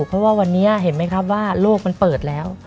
เพราะว่าวันนี้เห็นไหมครับว่าโลกมันเปิดแล้ว